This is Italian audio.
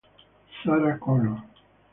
Sarah Connor